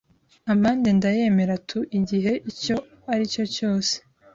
amande ndayemera tu igihe icyo aricyo cyose